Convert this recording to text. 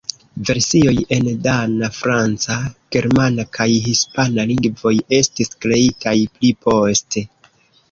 Versioj en dana, franca, germana kaj hispana lingvoj estis kreitaj pli poste.